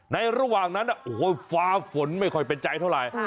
ระหว่างนั้นโอ้โหฟ้าฝนไม่ค่อยเป็นใจเท่าไหร่